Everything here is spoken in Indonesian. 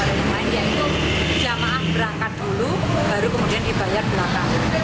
yang lain dari barang yang lain yaitu jemaah berangkat dulu baru kemudian dibayar belakang